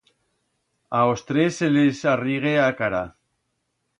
A os tres se lis arrigue a cara.